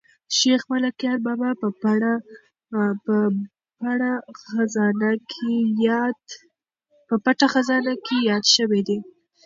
شیخ ملکیار بابا په پټه خزانه کې یاد شوی دی.